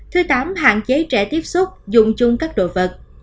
thứ tám hạn chế trẻ tiếp xúc dùng chung các đồ vật